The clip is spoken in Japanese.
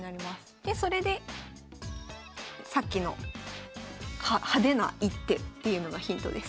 でそれでさっきの「派手な一手」っていうのがヒントです。